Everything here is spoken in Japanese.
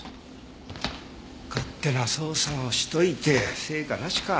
勝手な捜査をしといて成果なしか。